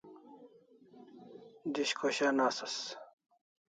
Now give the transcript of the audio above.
Dish khoshan asas